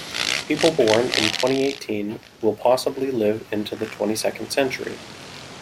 People born in twenty-eighteen will possibly live into the twenty-second century.